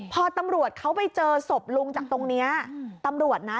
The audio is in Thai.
พอตำรวจเขาไปเจอศพลุงจากตรงนี้ตำรวจนะ